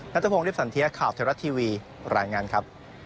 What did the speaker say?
นัทพงศ์สันเทียข่าวเทวรัฐทีวีรายงานครับ